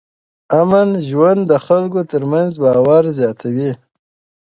امن ژوند د خلکو ترمنځ باور زیاتوي.